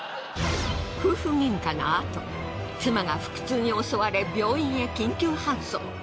夫婦喧嘩のあと妻が腹痛に襲われ病院へ緊急搬送。